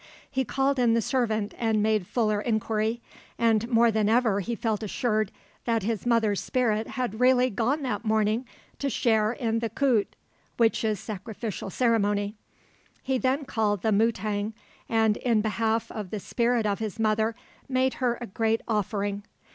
He called in the servant and made fuller inquiry, and more than ever he felt assured that his mother's spirit had really gone that morning to share in the koot (witches' sacrificial ceremony). He then called the mutang, and in behalf of the spirit of his mother made her a great offering.